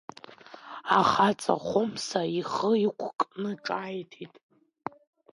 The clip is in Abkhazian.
Ахаҵа Хәымса ихы иқәкны ҿааиҭит…